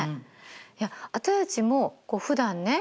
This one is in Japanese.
いや私たちもふだんね